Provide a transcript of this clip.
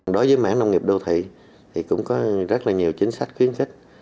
đối với mảng nông nghiệp đô thị thì cũng có rất là nhiều chính sách khuyến khích